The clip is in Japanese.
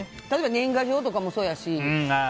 例えば年賀状とかもそうやし。